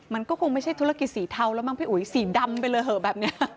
มันก็คงไม่ใช่ธุรกิจสีเทาแล้วมั้งด้วยสีดำไปแบบเนี้ย